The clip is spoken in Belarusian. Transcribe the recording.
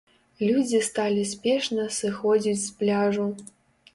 Людзі сталі спешна сыходзіць з пляжу.